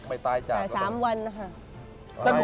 ไปตายจากตาย๓วันนะครับ